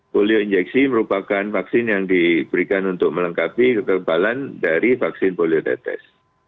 polio injeksi merupakan vaksin yang diberikan untuk melengkapi kekebalan dari vaksin poliotetes